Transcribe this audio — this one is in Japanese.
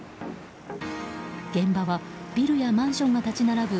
現場はビルやマンションが立ち並ぶ